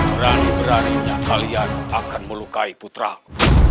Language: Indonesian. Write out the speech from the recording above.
berani beraninya kalian akan melukai putra aku